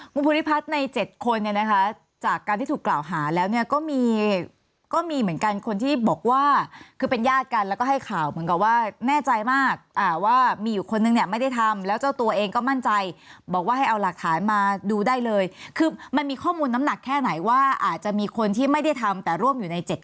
คุณภูริพัฒน์ใน๗คนเนี่ยนะคะจากการที่ถูกกล่าวหาแล้วเนี่ยก็มีก็มีเหมือนกันคนที่บอกว่าคือเป็นญาติกันแล้วก็ให้ข่าวเหมือนกับว่าแน่ใจมากว่ามีอยู่คนนึงเนี่ยไม่ได้ทำแล้วเจ้าตัวเองก็มั่นใจบอกว่าให้เอาหลักฐานมาดูได้เลยคือมันมีข้อมูลน้ำหนักแค่ไหนว่าอาจจะมีคนที่ไม่ได้ทำแต่ร่วมอยู่ในเจ็ด